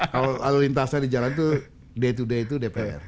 kalau lalu lintasnya di jalan itu day to day itu dpr